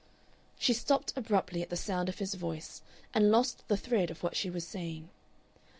She stopped abruptly at the sound of his voice, and lost the thread of what she was saying.